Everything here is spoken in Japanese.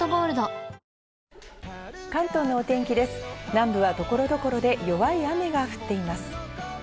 南部は所々で弱い雨が降っています。